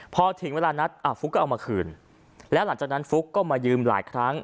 พอถึงเวลานัดอ่ะฟุ๊กก็เอามาคืนแล้วหลังจากนั้นฟุ๊กก็มายืมหลายครั้ง